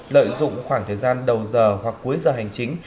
lợi dụng khoảng thời gian đầu giờ hoặc cuối giờ hành chính